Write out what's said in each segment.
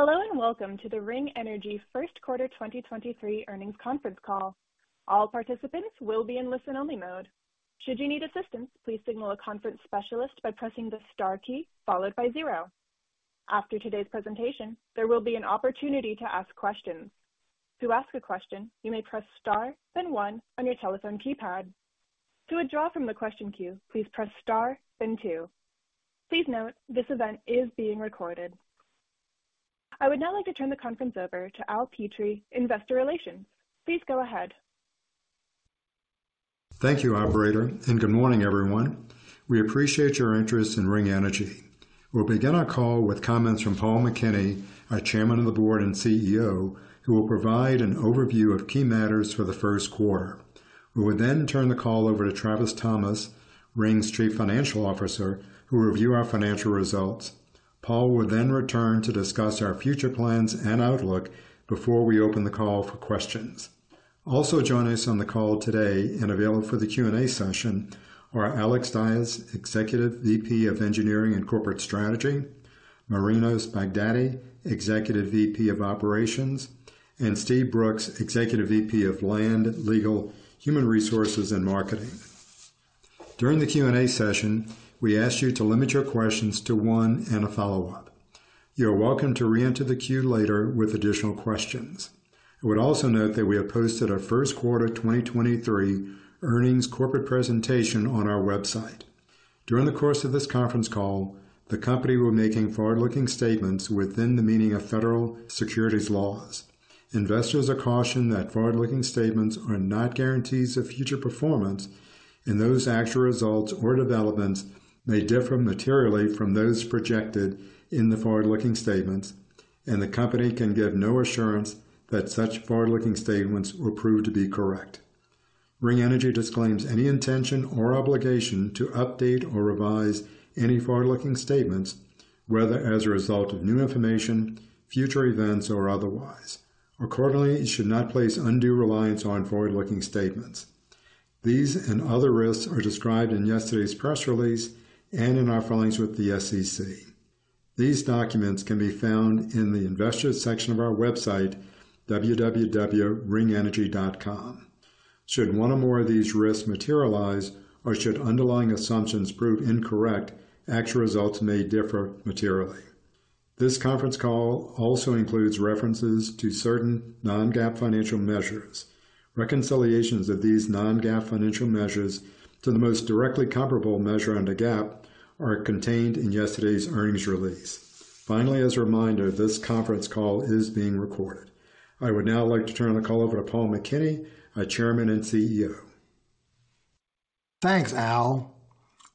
Hello, and welcome to the Ring Energy Q1 2023 earnings conference call. All participants will be in listen only mode. Should you need assistance, please signal a conference specialist by pressing the star key followed by zero. After today's presentation, there will be an opportunity to ask questions. To ask a question, you may press star, then one on your telephone keypad. To withdraw from the question queue, please press star then two. Please note, this event is being recorded. I would now like to turn the conference over to Al Petrie, Investor Relations. Please go ahead. Thank you, operator. Good morning, everyone. We appreciate your interest in Ring Energy. We'll begin our call with comments from Paul McKinney, our Chairman of the Board and CEO, who will provide an overview of key matters for the Q1. We will turn the call over to Travis Thomas, Ring's Chief Financial Officer, who will review our financial results. Paul will return to discuss our future plans and outlook before we open the call for questions. Joining us on the call today and available for the Q&A session are Alexander Dyes, Executive VP of Engineering and Corporate Strategy, Marinos Baghdati, Executive VP of Operations, and Steve Brooks, Executive VP of Land, Legal, Human Resources and Marketing. During the Q&A session, we ask you to limit your questions to one and a follow-up. You are welcome to reenter the queue later with additional questions. I would also note that we have posted our Q1 2023 earnings corporate presentation on our website. During the course of this conference call, the company will be making forward-looking statements within the meaning of federal securities laws. Investors are cautioned that forward-looking statements are not guarantees of future performance, and those actual results or developments may differ materially from those projected in the forward-looking statements, and the company can give no assurance that such forward-looking statements will prove to be correct. Ring Energy disclaims any intention or obligation to update or revise any forward-looking statements, whether as a result of new information, future events, or otherwise. Accordingly, you should not place undue reliance on forward-looking statements. These and other risks are described in yesterday's press release and in our filings with the SEC. These documents can be found in the Investors section of our website, www.ringenergy.com. Should one or more of these risks materialize, or should underlying assumptions prove incorrect, actual results may differ materially. This conference call also includes references to certain non-GAAP financial measures. Reconciliations of these non-GAAP financial measures to the most directly comparable measure under GAAP are contained in yesterday's earnings release. Finally, as a reminder, this conference call is being recorded. I would now like to turn the call over to Paul McKinney, our chairman and CEO. Thanks, Al.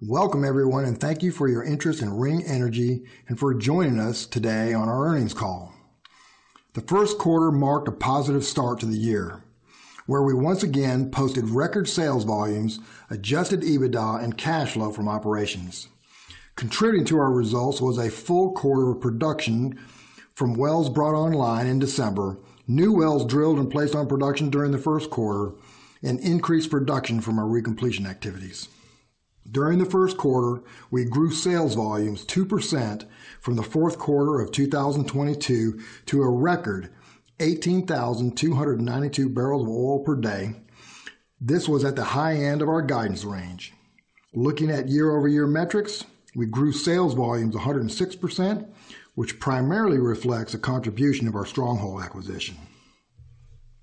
Welcome, everyone, and thank you for your interest in Ring Energy and for joining us today on our earnings call. The Q1 marked a positive start to the year, where we once again posted record sales volumes, adjusted EBITDA, and cash flow from operations. Contributing to our results was a full quarter of production from wells brought online in December, new wells drilled and placed on production during the Q1, and increased production from our recompletion activities. During the Q1, we grew sales volumes 2% from the Q4 of 2022 to a record 18,292 barrels of oil per day. This was at the high end of our guidance range. Looking at year-over-year metrics, we grew sales volumes 106%, which primarily reflects the contribution of our Stronghold acquisition.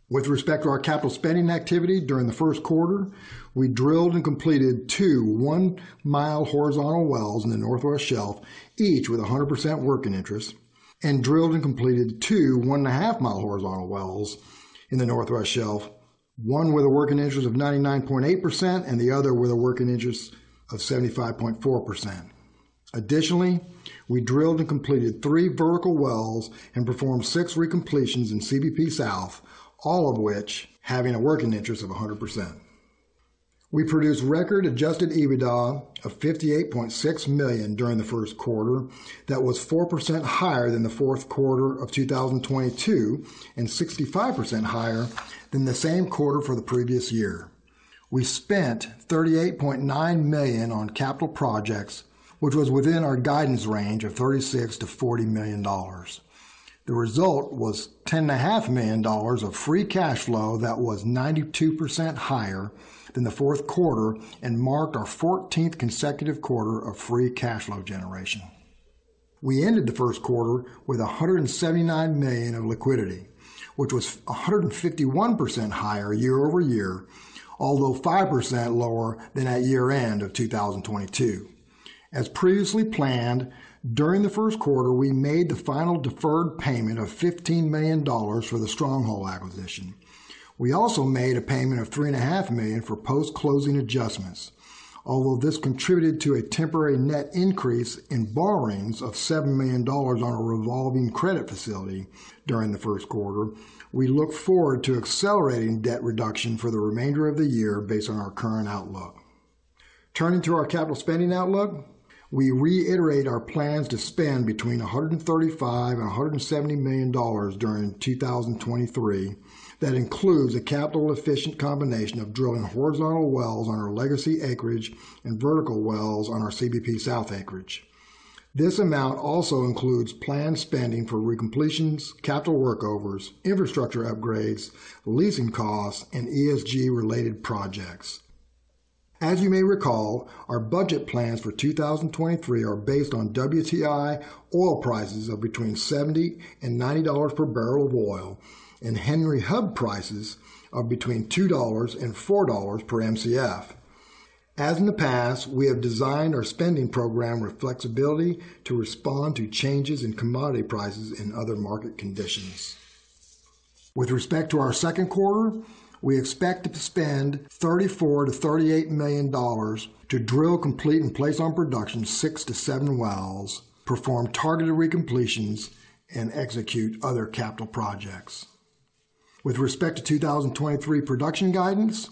With respect to our capital spending activity during the Q1, we drilled and completed two one-mile horizontal wells in the Northwest Shelf, each with a 100% working interest, and drilled and completed two one and a half mile horizontal wells in the Northwest Shelf, one with a working interest of 99.8% and the other with a working interest of 75.4%. Additionally, we drilled and completed three vertical wells and performed six recompletions in CBP South, all of which having a working interest of a 100%. We produced record adjusted EBITDA of $58.6 million during the Q1. That was 4% higher than the Q4 of 2022 and 65% higher than the same quarter for the previous year. We spent $38.9 million on capital projects, which was within our guidance range of $36-40 million. The result was $10.5 million of free cash flow that was 92% higher than the Q4 and marked our 14th consecutive quarter of free cash flow generation. We ended the Q1 with $179 million of liquidity, which was 151% higher year-over-year, although 5% lower than at year-end of 2022. As previously planned, during the Q1, we made the final deferred payment of $15 million for the Stronghold acquisition. We also made a payment of three and a half million for post-closing adjustments. Although this contributed to a temporary net increase in borrowings of $7 million on a revolving credit facility during the Q1, we look forward to accelerating debt reduction for the remainder of the year based on our current outlook. To our capital spending outlook, we reiterate our plans to spend between $135 million and $170 million during 2023. That includes a capital efficient combination of drilling horizontal wells on our legacy acreage and vertical wells on our CBP South acreage. This amount also includes planned spending for recompletions, capital workovers, infrastructure upgrades, leasing costs, and ESG-related projects. As you may recall, our budget plans for 2023 are based on WTI oil prices of between $70 and $90 per barrel of oil and Henry Hub prices of between $2 and $4 per Mcf. As in the past, we have designed our spending program with flexibility to respond to changes in commodity prices and other market conditions. With respect to our Q2, we expect to spend $34-38 million to drill, complete, and place on production 6-7 wells, perform targeted recompletions, and execute other capital projects. With respect to 2023 production guidance,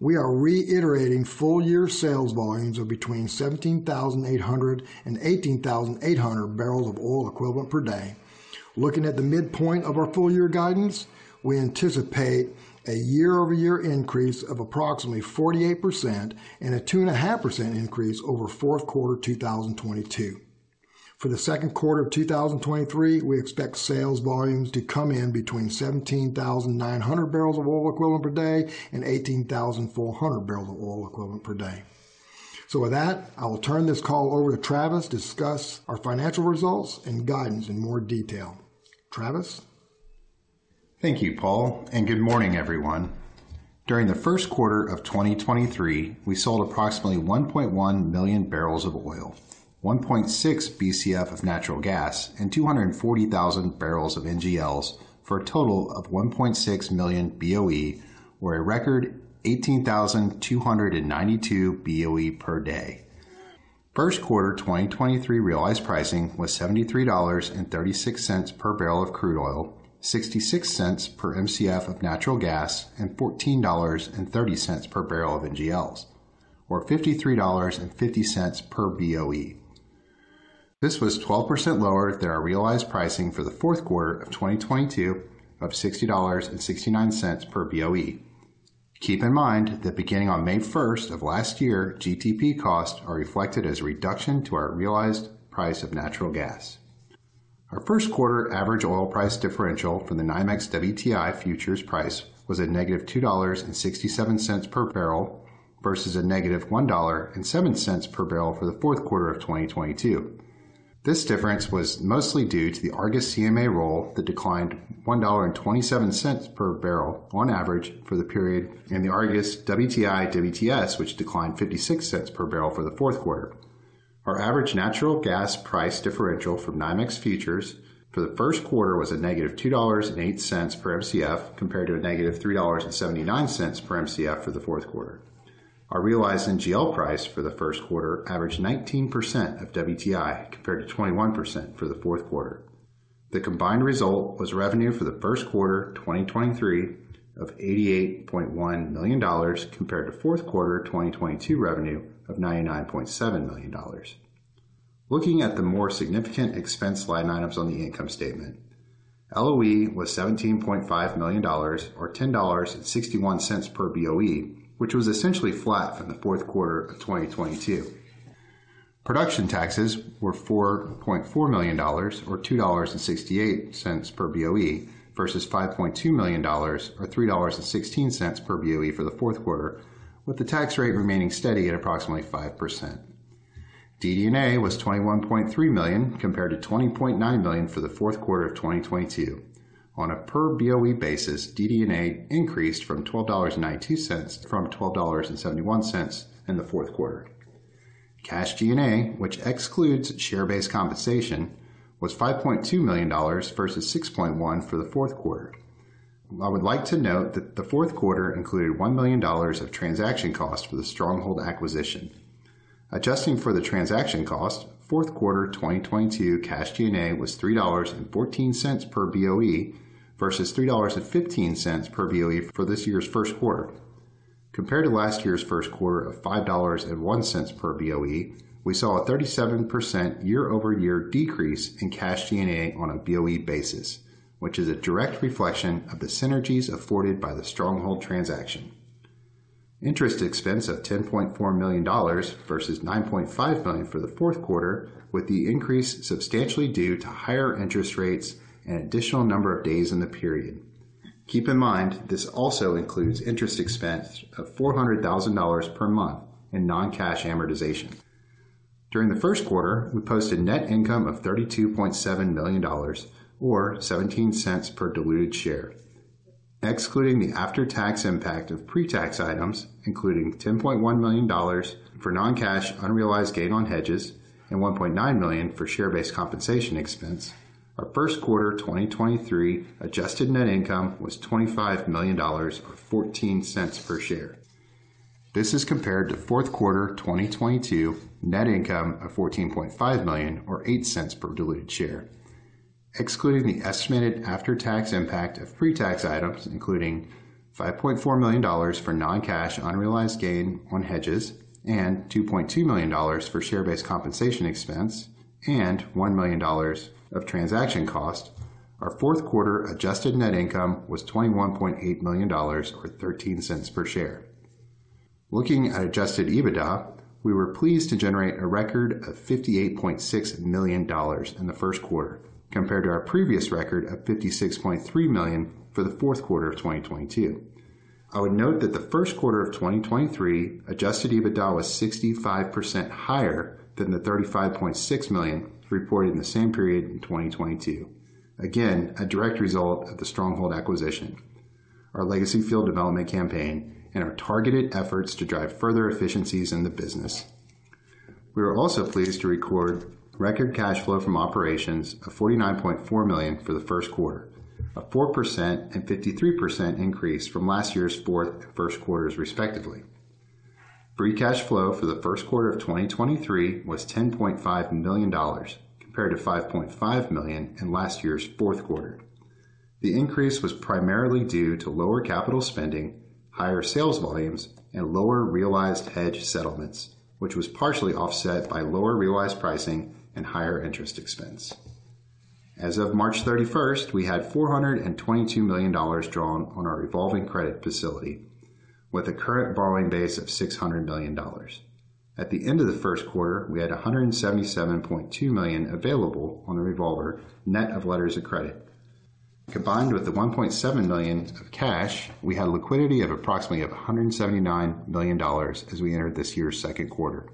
we are reiterating full year sales volumes of between 17,800-18,800 barrels of oil equivalent per day. Looking at the midpoint of our full year guidance, we anticipate a year-over-year increase of approximately 48% and a 2.5% increase over Q4 2022. For the Q2 of 2023, we expect sales volumes to come in between 17,900 barrels of oil equivalent per day and 18,400 barrels of oil equivalent per day. With that, I will turn this call over to Travis to discuss our financial results and guidance in more detail. Travis? Thank you, Paul, and good morning, everyone. During the Q1 of 2023, we sold approximately 1.1 million barrels of oil, 1.6 Bcf of natural gas, and 240,000 barrels of NGLs for a total of 1.6 million BOE or a record 18,292 BOE per day. Q1 2023 realized pricing was $73.36 per barrel of crude oil, $0.66 per Mcf of natural gas, and $14.30 per barrel of NGLs, or $53.50 per BOE. This was 12% lower than our realized pricing for the Q4 of 2022 of $60.69 per BOE. Keep in mind that beginning on May first of last year, GTP costs are reflected as a reduction to our realized price of natural gas. Our Q1 average oil price differential from the NYMEX WTI futures price was a negative $2.67 per barrel versus a negative $1.07 per barrel for the Q4 of 2022. This difference was mostly due to the Argus CMA roll that declined $1.27 per barrel on average for the period, and the Argus WTI WTS, which declined $0.56 per barrel for the Q4. Our average natural gas price differential from NYMEX futures for the Q1 was a negative $2.08 per Mcf, compared to a negative $3.79 per Mcf for the Q4. Our realized NGL price for the Q1 averaged 19% of WTI, compared to 21% for the Q4. The combined result was revenue for the Q1 of 2023 of $88.1 million, compared to Q4 2022 revenue of $99.7 million. Looking at the more significant expense line items on the income statement, LOE was $17.5 million or $10.61 per BOE, which was essentially flat from the Q4 of 2022. Production taxes were $4.4 million, or $2.68 per BOE, versus $5.2 million or $3.16 per BOE for the Q4, with the tax rate remaining steady at approximately 5%. DD&A was $21.3 million compared to $20.9 million for the Q4 of 2022. On a per BOE basis, DD&A increased from $12.92 from $12.71 in the Q4. Cash G&A, which excludes share-based compensation, was $5.2 million versus $6.1 million for the Q4. I would like to note that the Q4 included $1 million of transaction costs for the Stronghold acquisition. Adjusting for the transaction cost, Q4 2022 cash G&A was $3.14 per BOE versus $3.15 per BOE for this year's Q1. Compared to last year's Q1 of $5.01 per BOE, we saw a 37% year-over-year decrease in cash G&A on a BOE basis, which is a direct reflection of the synergies afforded by the Stronghold transaction. Interest expense of $10.4 million versus $9.5 million for the Q4, with the increase substantially due to higher interest rates and additional number of days in the period. Keep in mind, this also includes interest expense of $400,000 per month in non-cash amortization. During the Q1, we posted net income of $32.7 million or $0.17 per diluted share. Excluding the after-tax impact of pre-tax items, including $10.1 million for non-cash unrealized gain on hedges and $1.9 million for share-based compensation expense, our Q1 2023 adjusted net income was $25 million, or $0.14 per share. This is compared to Q4 2022 net income of $14.5 million or $0.08 per diluted share. Excluding the estimated after-tax impact of pre-tax items, including $5.4 million for non-cash unrealized gain on hedges and $2.2 million for share-based compensation expense and $1 million of transaction cost, our Q4 adjusted net income was $21.8 million or $0.13 per share. Looking at adjusted EBITDA, we were pleased to generate a record of $58.6 million in the Q1 compared to our previous record of $56.3 million for the Q4 of 2022. I would note that the Q1 of 2023 adjusted EBITDA was 65% higher than the $35.6 million reported in the same period in 2022. A direct result of the Stronghold acquisition, our legacy field development campaign, and our targeted efforts to drive further efficiencies in the business. We were also pleased to record record cash flow from operations of $49.4 million for the Q1, a 4% and 53% increase from last year's fourth and Q1s respectively. Free cash flow for the Q1 of 2023 was $10.5 million compared to $5.5 million in last year's Q4. The increase was primarily due to lower capital spending, higher sales volumes, and lower realized hedge settlements, which was partially offset by lower realized pricing and higher interest expense. As of March 31st, we had $422 million drawn on our revolving credit facility with a current borrowing base of $600 million. At the end of the Q1, we had $177.2 million available on the revolver net of letters of credit. Combined with the $1.7 million of cash, we had liquidity of approximately of $179 million as we entered this year's Q2.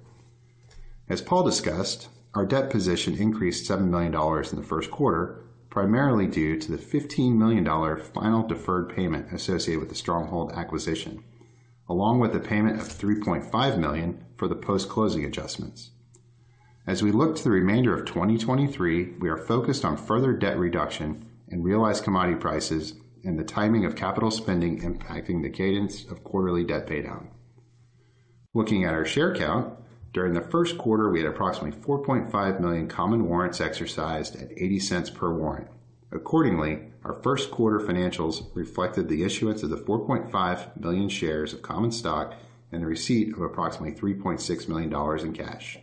As Paul discussed, our debt position increased $7 million in the Q1, primarily due to the $15 million final deferred payment associated with the Stronghold acquisition, along with the payment of $3.5 million for the post-closing adjustments. As we look to the remainder of 2023, we are focused on further debt reduction and realized commodity prices and the timing of capital spending impacting the cadence of quarterly debt pay down. Looking at our share count, during the Q1, we had approximately 4.5 million common warrants exercised at $0.80 per warrant. Accordingly, our Q1 financials reflected the issuance of the 4.5 million shares of common stock and the receipt of approximately $3.6 million in cash.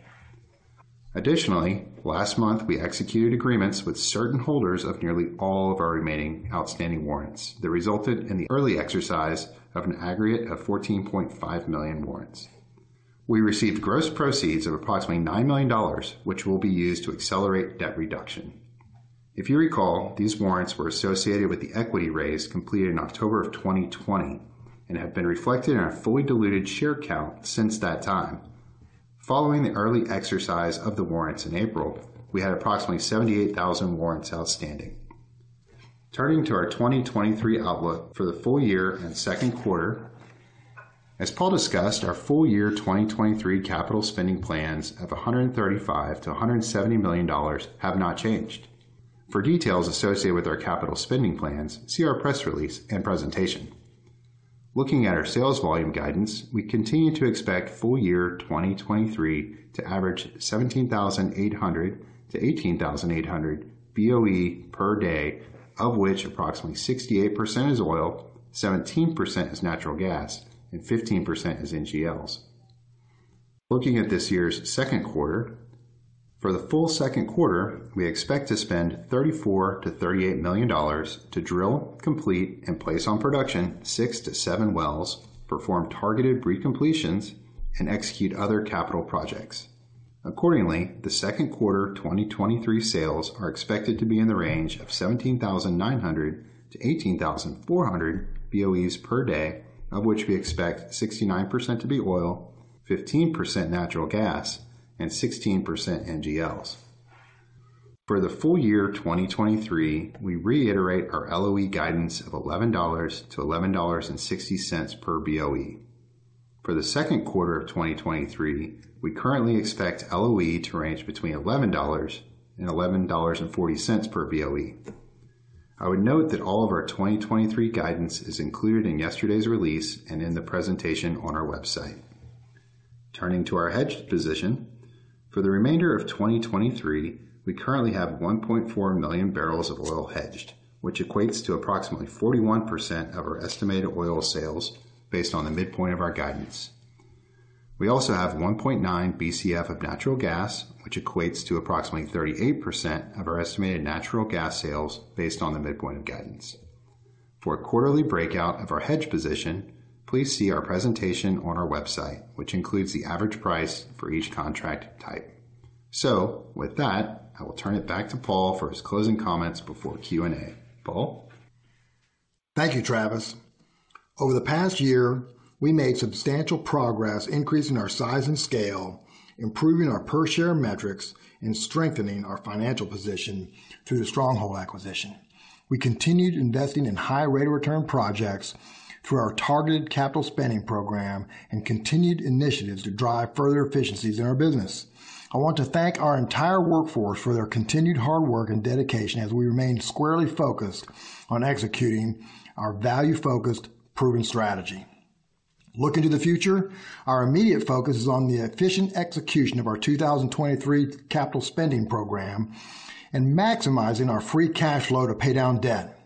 Last month, we executed agreements with certain holders of nearly all of our remaining outstanding warrants that resulted in the early exercise of an aggregate of 14.5 million warrants. We received gross proceeds of approximately $9 million, which will be used to accelerate debt reduction. If you recall, these warrants were associated with the equity raise completed in October of 2020 and have been reflected in our fully diluted share count since that time. Following the early exercise of the warrants in April, we had approximately 78,000 warrants outstanding. Turning to our 2023 outlook for the full year and Q2, as Paul discussed, our full year 2023 capital spending plans of $135-170 million have not changed. For details associated with our capital spending plans, see our press release and presentation. Looking at our sales volume guidance, we continue to expect full year 2023 to average 17,800-18,800 BOE per day, of which approximately 68% is oil, 17% is natural gas, and 15% is NGLs. Looking at this year's Q2. For the full Q2, we expect to spend $34-38 million to drill, complete, and place on production 6-7 wells, perform targeted recompletions, and execute other capital projects. Accordingly, the Q2 of 2023 sales are expected to be in the range of 17,900-18,400 BOEs per day, of which we expect 69% to be oil, 15% natural gas, and 16% NGLs. For the full year of 2023, we reiterate our LOE guidance of $11-$11.60 per BOE. For the Q2 of 2023, we currently expect LOE to range between $11-$11.40 per BOE. I would note that all of our 2023 guidance is included in yesterday's release and in the presentation on our website. Turning to our hedged position. For the remainder of 2023, we currently have 1.4 million barrels of oil hedged, which equates to approximately 41% of our estimated oil sales based on the midpoint of our guidance. We also have 1.9 Bcf of natural gas, which equates to approximately 38% of our estimated natural gas sales based on the midpoint of guidance. For a quarterly breakout of our hedge position, please see our presentation on our website, which includes the average price for each contract type. With that, I will turn it back to Paul for his closing comments before Q&A. Paul? Thank you, Travis. Over the past year, we made substantial progress increasing our size and scale, improving our per share metrics, and strengthening our financial position through the Stronghold acquisition. We continued investing in high rate of return projects through our targeted capital spending program and continued initiatives to drive further efficiencies in our business. I want to thank our entire workforce for their continued hard work and dedication as we remain squarely focused on executing our value-focused proven strategy. Looking to the future, our immediate focus is on the efficient execution of our 2023 capital spending program and maximizing our free cash flow to pay down debt.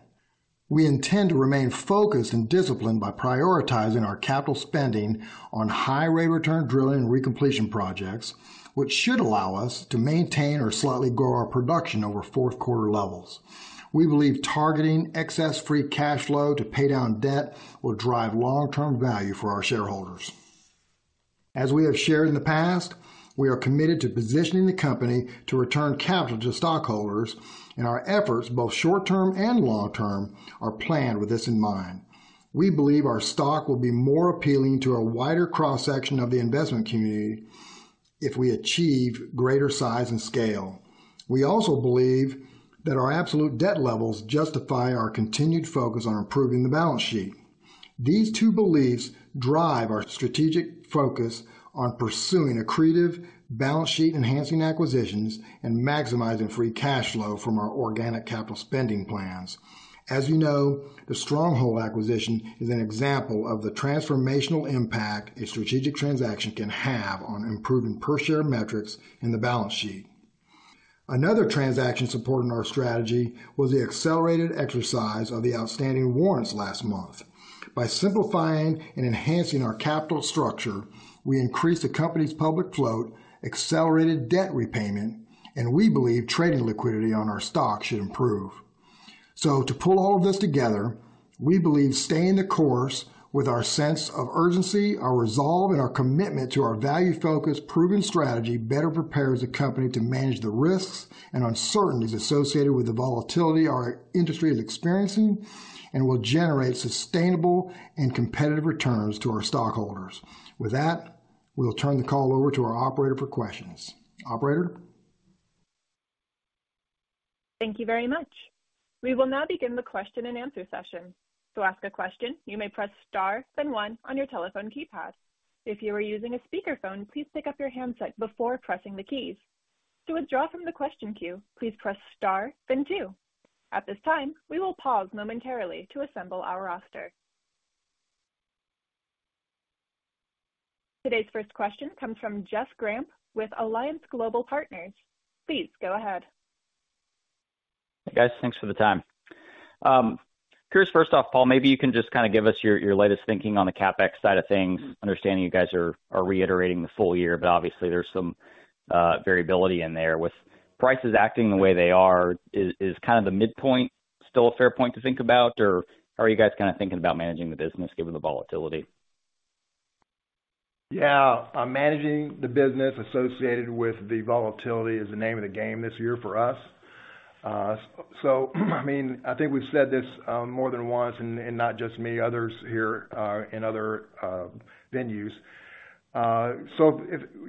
We intend to remain focused and disciplined by prioritizing our capital spending on high rate return drilling and recompletion projects, which should allow us to maintain or slightly grow our production over Q4 levels. We believe targeting excess free cash flow to pay down debt will drive long-term value for our shareholders. As we have shared in the past, we are committed to positioning the company to return capital to stockholders. Our efforts, both short-term and long-term, are planned with this in mind. We believe our stock will be more appealing to a wider cross-section of the investment community if we achieve greater size and scale. We also believe that our absolute debt levels justify our continued focus on improving the balance sheet. These two beliefs drive our strategic focus on pursuing accretive balance sheet-enhancing acquisitions and maximizing free cash flow from our organic capital spending plans. As you know, the Stronghold acquisition is an example of the transformational impact a strategic transaction can have on improving per-share metrics in the balance sheet. Another transaction supporting our strategy was the accelerated exercise of the outstanding warrants last month. By simplifying and enhancing our capital structure, we increased the company's public float, accelerated debt repayment, and we believe trading liquidity on our stock should improve. To pull all of this together, we believe staying the course with our sense of urgency, our resolve, and our commitment to our value-focused, proven strategy better prepares the company to manage the risks and uncertainties associated with the volatility our industry is experiencing and will generate sustainable and competitive returns to our stockholders. With that, we'll turn the call over to our operator for questions. Operator? Thank you very much. We will now begin the question-and-answer session. To ask a question, you may press star then one on your telephone keypad. If you are using a speakerphone, please pick up your handset before pressing the keys. To withdraw from the question queue, please press star then two. At this time, we will pause momentarily to assemble our roster. Today's first question comes from Jeff Grampp with Alliance Global Partners. Please go ahead. Hey, guys. Thanks for the time. Curious first off, Paul, maybe you can just kind of give us your latest thinking on the CapEx side of things, understanding you guys are reiterating the full year, but obviously there's some variability in there. With prices acting the way they are, is kind of the midpoint still a fair point to think about, or are you guys kind of thinking about managing the business given the volatility? Yeah, I'm managing the business associated with the volatility is the name of the game this year for us. I mean, I think we've said this more than once, and not just me, others here, in other venues. So,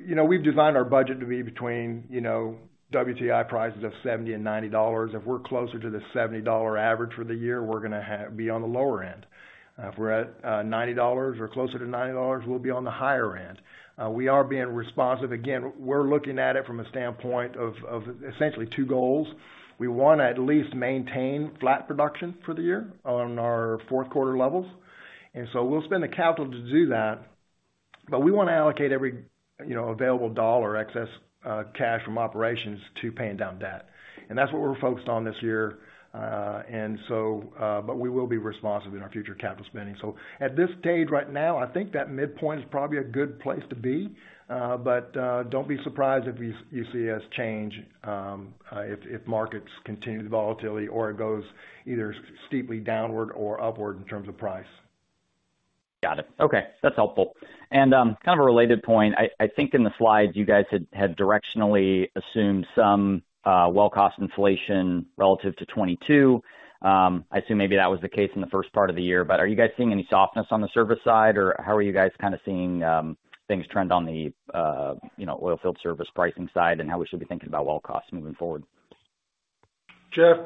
you know, we've designed our budget to be between, you know, WTI prices of $70 and $90. If we're closer to the $70 average for the year, we're gonna have to be on the lower end. If we're at $90 or closer to $90, we'll be on the higher end. We are being responsive. Again, we're looking at it from a standpoint of essentially two goals. We want to at least maintain flat production for the year on our Q4 levels. We'll spend the capital to do that, but we wanna allocate every, you know, available dollar excess cash from operations to paying down debt. That's what we're focused on this year. We will be responsive in our future capital spending. At this stage right now, I think that midpoint is probably a good place to be. Don't be surprised if you see us change if markets continue the volatility or it goes either steeply downward or upward in terms of price. Got it. Okay. That's helpful. Kind of a related point. I think in the slides you guys had directionally assumed some well cost inflation relative to 2022. I assume maybe that was the case in the first part of the year. Are you guys seeing any softness on the service side, or how are you guys kind of seeing things trend on the, you know, oil field service pricing side, and how we should be thinking about well costs moving forward? Jeff,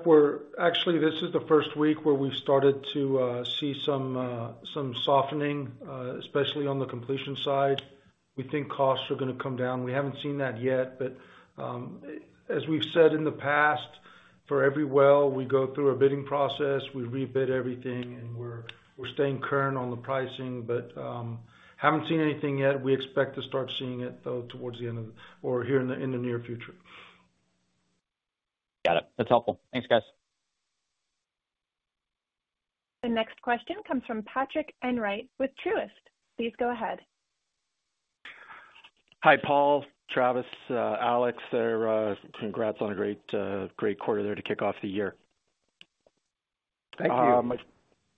actually, this is the first week where we've started to see some softening, especially on the completion side. We think costs are gonna come down. We haven't seen that yet. As we've said in the past, for every well, we go through a bidding process, we rebid everything, and we're staying current on the pricing. Haven't seen anything yet. We expect to start seeing it, though, here in the near future. Got it. That's helpful. Thanks, guys. The next question comes from Neal Dingmann with Truist. Please go ahead. Hi, Paul, Travis, Alex. Congrats on a great quarter there to kick off the year. Thank you.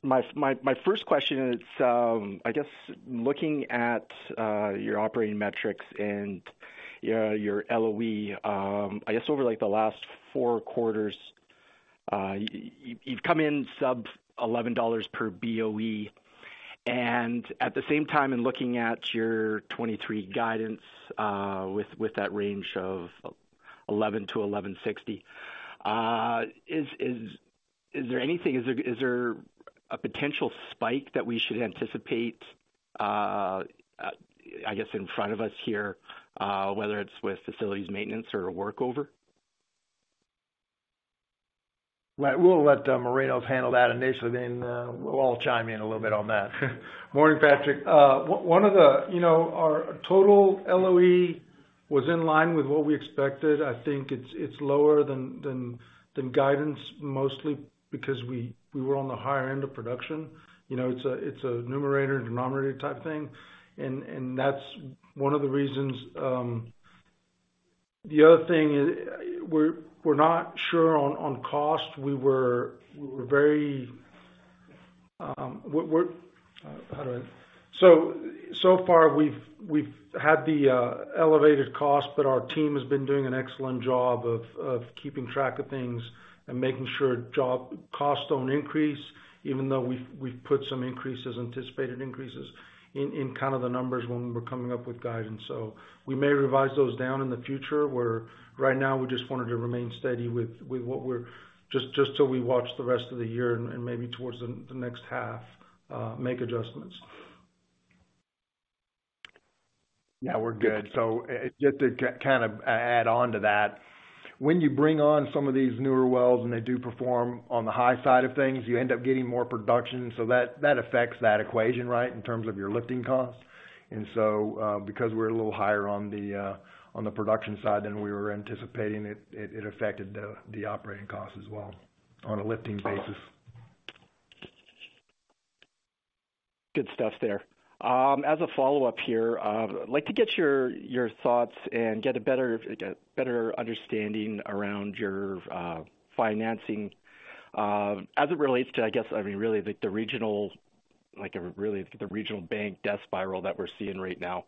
My first question is, I guess looking at your operating metrics and, you know, your LOE, I guess over like the last four quarters, you've come in sub $11 per BOE. At the same time, in looking at your 2023 guidance, with that range of $11-11.60, is there a potential spike that we should anticipate, I guess in front of us here, whether it's with facilities maintenance or a workover? We'll let Marinos handle that initially, and then, we'll all chime in a little bit on that. Morning, Neal. One of the... You know, our total LOE was in line with what we expected. I think it's lower than guidance, mostly because we were on the higher end of production. You know, it's a numerator and denominator type thing. That's one of the reasons. The other thing is we're not sure on cost. We were very So far we've had the elevated cost, but our team has been doing an excellent job of keeping track of things and making sure job costs don't increase, even though we've put some increases, anticipated increases in kind of the numbers when we're coming up with guidance. We may revise those down in the future, where right now we just wanted to remain steady with what we're. Just so we watch the rest of the year and maybe towards the next half, make adjustments. Yeah, we're good. Just to kind of add on to that, when you bring on some of these newer wells and they do perform on the high side of things, you end up getting more production. That affects that equation, right? In terms of your lifting costs. Because we're a little higher on the production side than we were anticipating, it affected the operating costs as well on a lifting basis. Good stuff there. As a follow-up here, I'd like to get your thoughts and get a better understanding around your financing, as it relates to, I guess, I mean, really the regional bank debt spiral that we're seeing right now.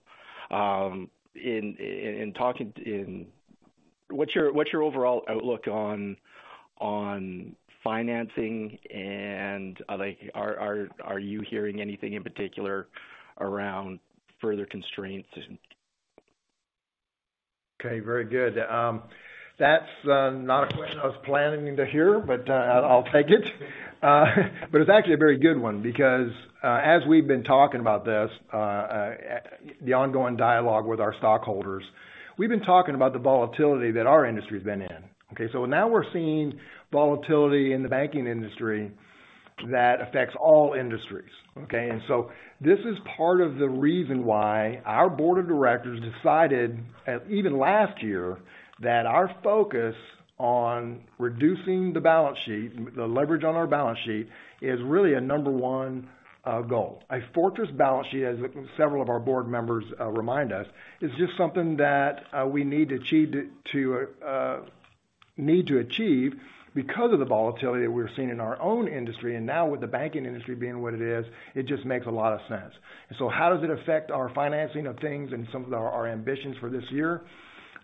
What's your overall outlook on financing? Are you hearing anything in particular around further constraints? Okay. Very good. That's not a question I was planning to hear, but I'll take it. It's actually a very good one because as we've been talking about this, the ongoing dialogue with our stockholders, we've been talking about the volatility that our industry's been in. Okay. Now we're seeing volatility in the banking industry that affects all industries. Okay. This is part of the reason why our board of directors decided even last year, that our focus on reducing the balance sheet, the leverage on our balance sheet, is really a number one goal. A fortress balance sheet, as several of our board members, remind us, is just something that we need to achieve because of the volatility that we're seeing in our own industry. Now with the banking industry being what it is, it just makes a lot of sense. How does it affect our financing of things and some of our ambitions for this year?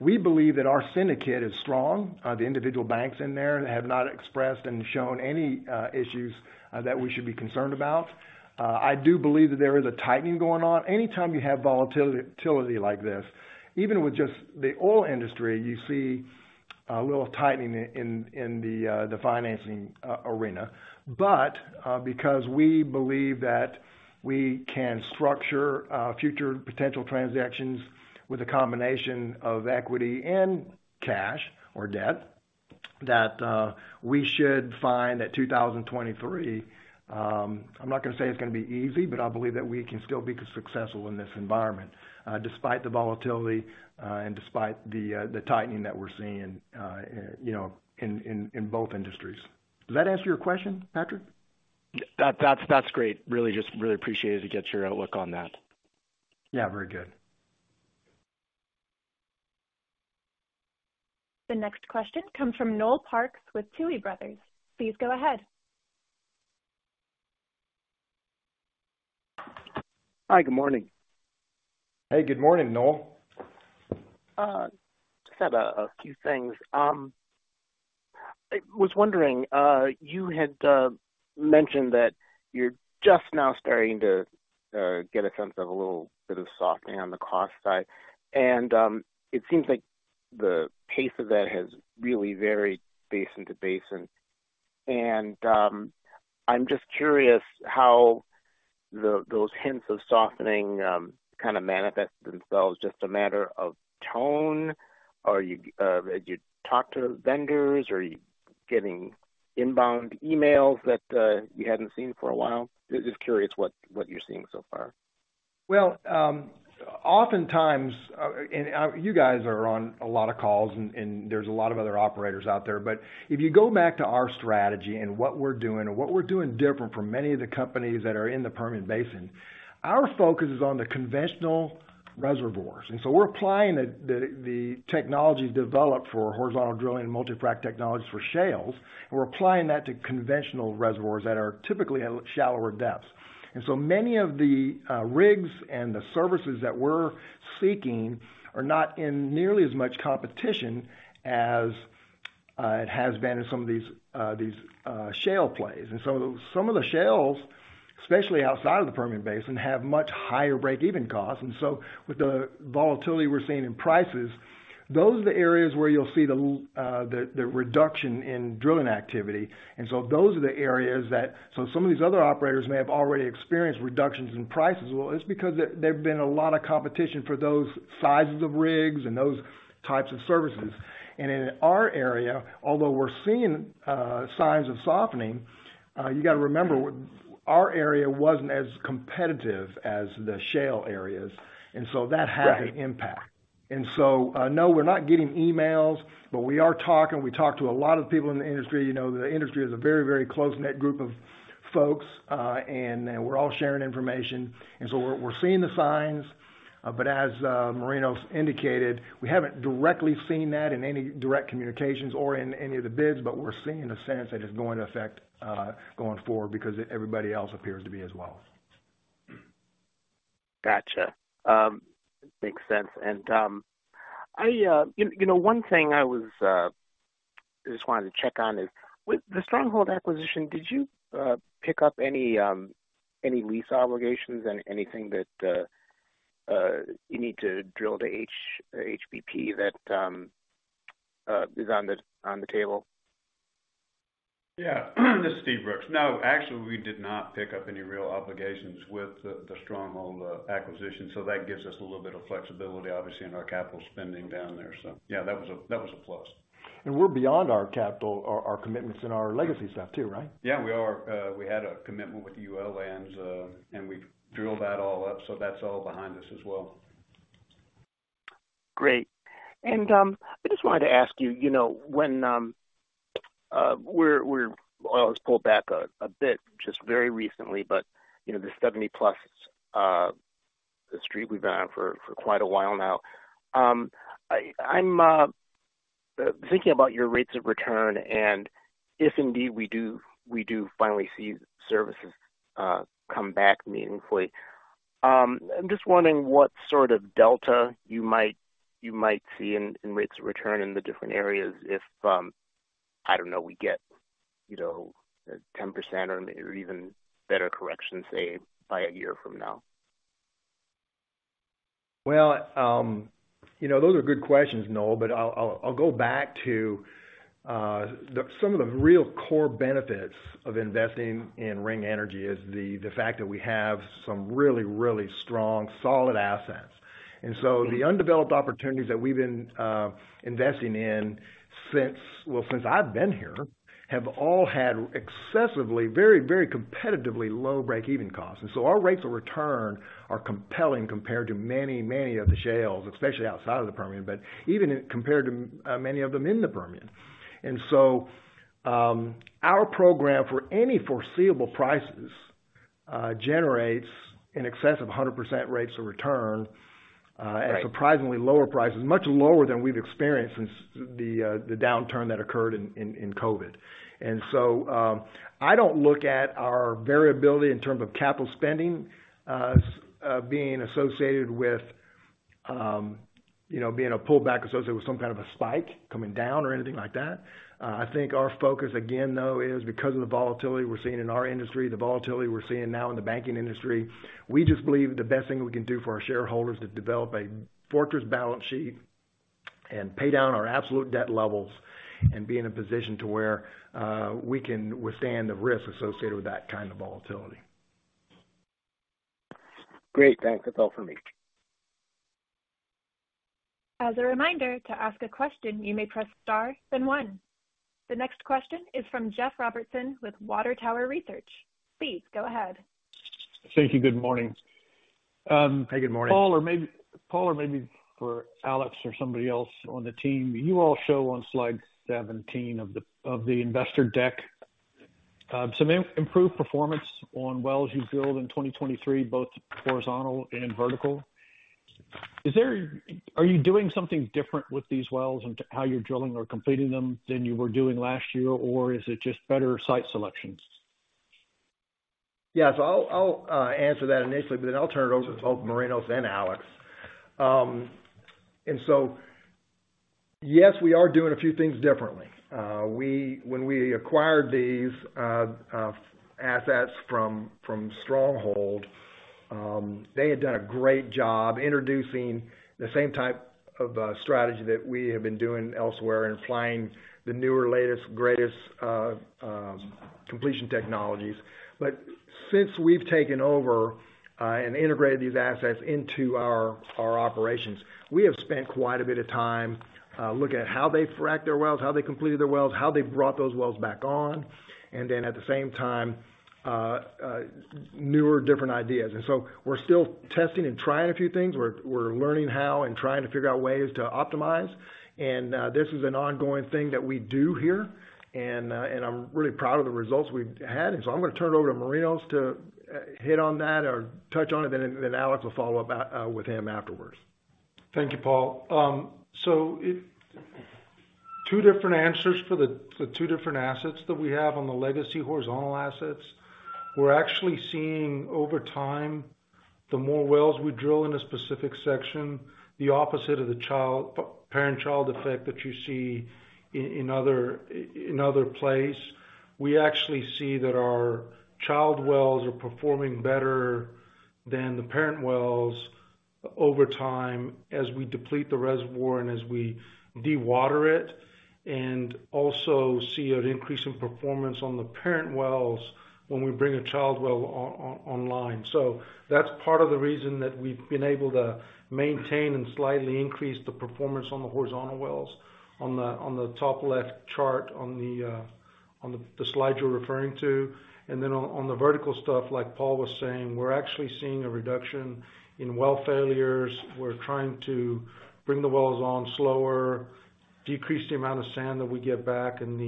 We believe that our syndicate is strong. The individual banks in there have not expressed and shown any issues that we should be concerned about. I do believe that there is a tightening going on. Anytime you have volatility like this, even with just the oil industry, you see a little tightening in the financing arena. Because we believe that we can structure future potential transactions with a combination of equity and cash or debt, that we should find that 2023, I'm not gonna say it's gonna be easy, but I believe that we can still be successful in this environment, despite the volatility, and despite the tightening that we're seeing, you know, in, in both industries. Does that answer your question, Neal Dingmann? That's great. Really, just really appreciate it to get your outlook on that. Yeah. Very good. The next question comes from Noel Parks with Tuohy Brothers. Please go ahead. Hi. Good morning. Hey, good morning, Noel. Just have a few things. I was wondering, you had mentioned that you're just now starting to get a sense of a little bit of softening on the cost side. It seems like the pace of that has really varied basin to basin. I'm just curious how those hints of softening kind of manifest themselves. Just a matter of tone or you talk to vendors or are you getting inbound emails that you hadn't seen for a while? Just curious what you're seeing so far. Oftentimes, you guys are on a lot of calls, and there's a lot of other operators out there. If you go back to our strategy and what we're doing and what we're doing different from many of the companies that are in the Permian Basin, our focus is on the conventional reservoirs. We're applying the technology developed for horizontal drilling and multi-frac technologies for shales, and we're applying that to conventional reservoirs that are typically at shallower depths. Many of the rigs and the services that we're seeking are not in nearly as much competition as it has been in some of these shale plays. Some of the shales, especially outside of the Permian Basin, have much higher break-even costs. With the volatility we're seeing in prices, those are the areas where you'll see the reduction in drilling activity. Those are the areas that. Some of these other operators may have already experienced reductions in prices. Well, it's because there've been a lot of competition for those sizes of rigs and those types of services. In our area, although we're seeing signs of softening, you gotta remember our area wasn't as competitive as the shale areas. That had an impact. No, we're not getting emails, but we are talking. We talk to a lot of people in the industry. You know, the industry is a very, very close-knit group of folks, and we're all sharing information, we're seeing the signs. As Marinos indicated, we haven't directly seen that in any direct communications or in any of the bids, but we're seeing the sense that it's going to affect going forward because everybody else appears to be as well. Gotcha. Makes sense. I, you know, one thing I was just wanted to check on is with the Stronghold acquisition, did you pick up any lease obligations and anything that you need to drill to HBP that is on the, on the table? Yeah. This is Steve Brooks. No, actually, we did not pick up any real obligations with the Stronghold acquisition. That gives us a little bit of flexibility, obviously, in our capital spending down there. Yeah, that was a plus. we're beyond our capital, our commitments in our legacy stuff too, right? we are. We had a commitment with University Lands, and we've drilled that all up, so that's all behind us as well. Great. I just wanted to ask you know, when oil has pulled back a bit just very recently, but, you know, the $70 plus the streak we've been on for quite a while now. I'm thinking about your rates of return and if indeed we do finally see services come back meaningfully. I'm just wondering what sort of delta you might see in rates of return in the different areas if I don't know, we get, you know, 10% or even better correction, say, by a year from now? Well, you know, those are good questions, Noel, but I'll go back to some of the real core benefits of investing in Ring Energy is the fact that we have some really strong, solid assets. The undeveloped opportunities that we've been investing in since, well, since I've been here, have all had excessively very competitively low breakeven costs. Our rates of return are compelling compared to many of the shales, especially outside of the Permian, but even compared to many of them in the Permian. Our program for any foreseeable prices generates in excess of 100% rates of return. Right. at surprisingly lower prices, much lower than we've experienced since the downturn that occurred in COVID. I don't look at our variability in terms of capital spending being associated with, you know, being a pullback associated with some kind of a spike coming down or anything like that. I think our focus again, though, is because of the volatility we're seeing in our industry, the volatility we're seeing now in the banking industry, we just believe the best thing we can do for our shareholders is develop a fortress balance sheet and pay down our absolute debt levels and be in a position to where we can withstand the risk associated with that kind of volatility. Great. Thanks. That's all for me. As a reminder, to ask a question, you may press star then one. The next question is from Jeff Robertson with Water Tower Research. Please go ahead. Thank you. Good morning. Hey, good morning. Paul, or maybe for Alex or somebody else on the team, you all show on slide 17 of the investor deck, some improved performance on wells you drilled in 2023, both horizontal and vertical. Are you doing something different with these wells and how you're drilling or completing them than you were doing last year, or is it just better site selections? I'll answer that initially, but then I'll turn it over to both Marinos and Alex. Yes, we are doing a few things differently. When we acquired these assets from Stronghold, they had done a great job introducing the same type of strategy that we have been doing elsewhere and applying the newer, latest, greatest completion technologies. Since we've taken over and integrated these assets into our operations, we have spent quite a bit of time looking at how they frack their wells, how they completed their wells, how they've brought those wells back on, and then at the same time newer different ideas. We're still testing and trying a few things. We're learning how and trying to figure out ways to optimize. This is an ongoing thing that we do here, and I'm really proud of the results we've had. I'm gonna turn it over to Marinos to hit on that or touch on it, then Alex will follow up with him afterwards. Thank you, Paul. Two different answers for the two different assets that we have. On the legacy horizontal assets, we're actually seeing over time, the more wells we drill in a specific section, the opposite of the parent-child effect that you see in other place. We actually see that our child wells are performing better than the parent wells over time as we deplete the reservoir and as we dewater it, and also see an increase in performance on the parent wells when we bring a child well online. That's part of the reason that we've been able to maintain and slightly increase the performance on the horizontal wells on the top left chart on the slide you're referring to. On the vertical stuff, like Paul was saying, we're actually seeing a reduction in well failures. We're trying to bring the wells on slower, decrease the amount of sand that we get back and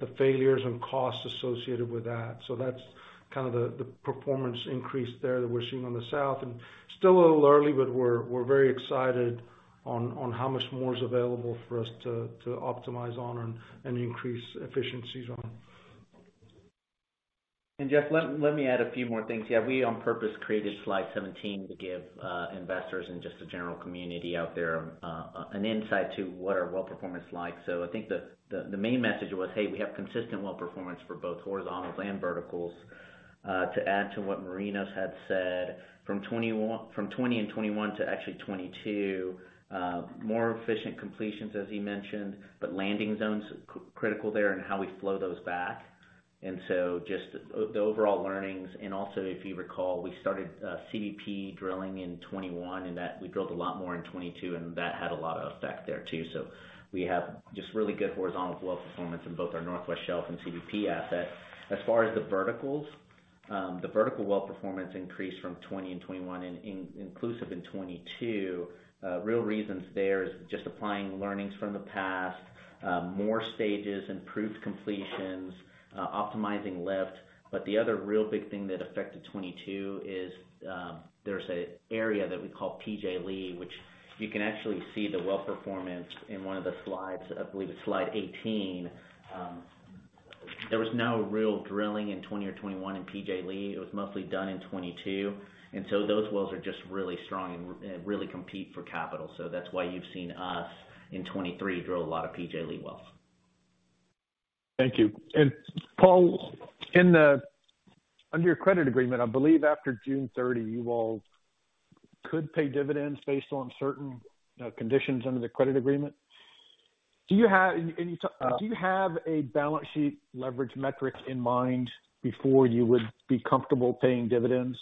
the failures and costs associated with that. That's kind of the performance increase there that we're seeing on the south. Still a little early, but we're very excited on how much more is available for us to optimize on and increase efficiencies on. Jeff, let me add a few more things here. We on purpose created slide 17 to give investors and just the general community out there, an insight to what our well performance is like. I think the main message was, hey, we have consistent well performance for both horizontals and verticals. To add to what Marinos had said, from 2020 and 2021 to actually 2022, more efficient completions, as he mentioned, but landing zones critical there and how we flow those back. just the overall learnings. Also, if you recall, we started CBP drilling in 2021, and that we drilled a lot more in 2022, and that had a lot of effect there too. We have just really good horizontal well performance in both our Northwest Shelf and CBP assets. As far as the verticals, the vertical well performance increased from 2020 and 2021 in, inclusive in 2022. Real reasons there is just applying learnings from the past, more stages, improved completions, optimizing lift. The other real big thing that affected 2022 is, there's a area that we call PJ Lee, which you can actually see the well performance in one of the slides. I believe it's slide 18. There was no real drilling in 2020 or 2021 in PJ Lee. It was mostly done in 2022. Those wells are just really strong and really compete for capital. That's why you've seen us in 2023 drill a lot of PJ Lee wells. Thank you. Paul, under your credit agreement, I believe after June 30, you all could pay dividends based on certain conditions under the credit agreement. Do you have a balance sheet leverage metric in mind before you would be comfortable paying dividends?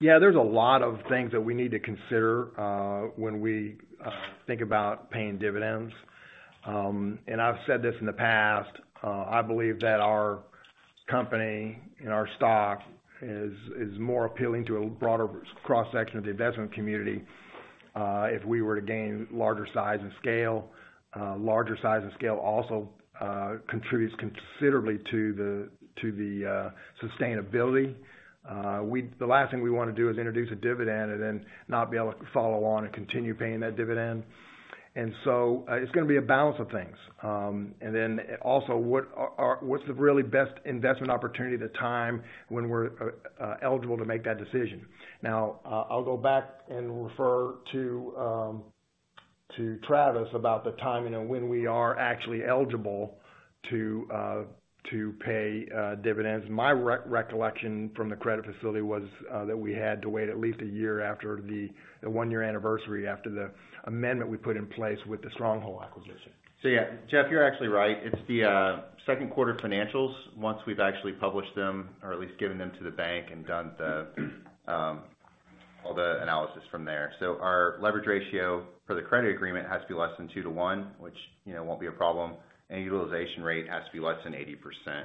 Yeah, there's a lot of things that we need to consider when we think about paying dividends. I've said this in the past, I believe that our company and our stock is more appealing to a broader cross-section of the investment community, if we were to gain larger size and scale. Larger size and scale also contributes considerably to the sustainability. The last thing we wanna do is introduce a dividend and then not be able to follow on and continue paying that dividend. It's gonna be a balance of things. Also, what's the really best investment opportunity to time when we're eligible to make that decision? Now, I'll go back and refer to Travis about the timing of when we are actually eligible to pay dividends. My recollection from the credit facility was that we had to wait at least a year after the one year anniversary after the amendment we put in place with the Stronghold acquisition. Yeah. Jeff, you're actually right. It's the Q2 financials once we've actually published them or at least given them to the bank and done the, all the analysis from there. Our leverage ratio for the credit agreement has to be less than 2 to 1, which, you know, won't be a problem. Utilization rate has to be less than 80%.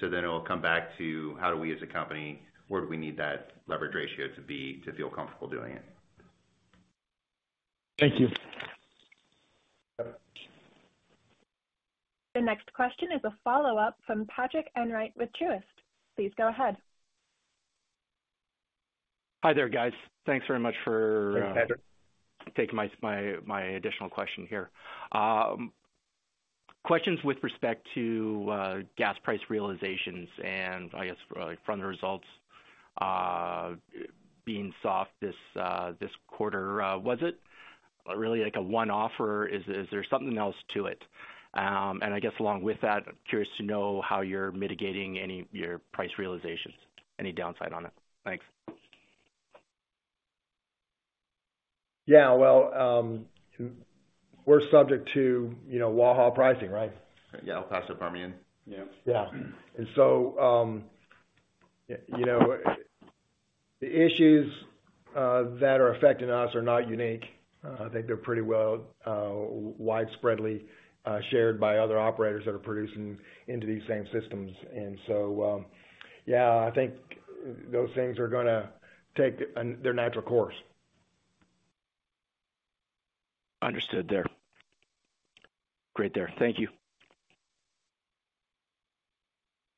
It will come back to how do we as a company, where do we need that leverage ratio to be to feel comfortable doing it? Thank you. The next question is a follow-up from Neal Dingmann with Truist. Please go ahead. Hi there, guys. Thanks very much. Hey, Neal Dingmann. Taking my additional question here. Questions with respect to gas price realizations. I guess from the results being soft this this quarter, was it really like a one-off or is there something else to it? I guess along with that, curious to know how you're mitigating any of your price realizations, any downside on it. Thanks. Yeah. Well, we're subject to, you know, WAHA pricing, right? Yeah. El Paso Permian. Yeah. You know, the issues that are affecting us are not unique. I think they're pretty well widespreadly shared by other operators that are producing into these same systems. Yeah, I think those things are gonna take their natural course. Understood there. Great there. Thank you.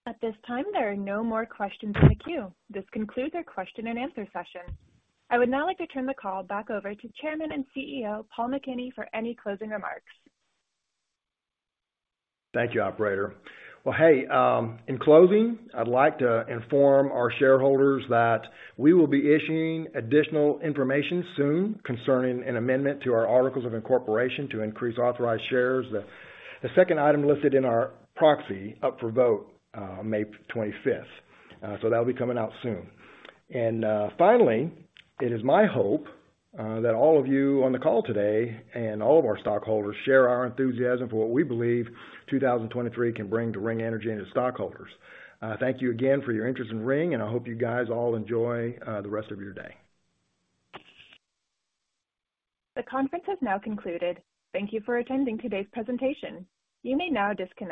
At this time, there are no more questions in the queue. This concludes our question and answer session. I would now like to turn the call back over to Chairman and CEO, Paul McKinney, for any closing remarks. Thank you, operator. Well, hey, in closing, I'd like to inform our shareholders that we will be issuing additional information soon concerning an amendment to our articles of incorporation to increase authorized shares. The second item listed in our proxy up for vote, May 25th. That'll be coming out soon. Finally, it is my hope that all of you on the call today and all of our stockholders share our enthusiasm for what we believe 2023 can bring to Ring Energy and its stockholders. Thank you again for your interest in Ring, and I hope you guys all enjoy the rest of your day. The conference has now concluded. Thank you for attending today's presentation. You may now disconnect.